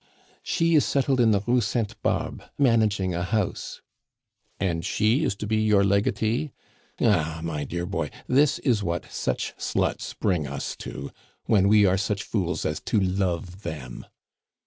"She is settled in the Rue Sainte Barbe, managing a house " "And she is to be your legatee? Ah, my dear boy, this is what such sluts bring us to when we are such fools as to love them."